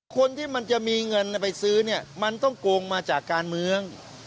คนที่มันจะมีเงินไปซื้อเนี่ยมันต้องโกงมาจากการเมือง